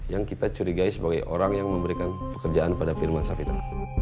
yang kita curigai sebagai orang yang memberikan pekerjaan pada firman safitra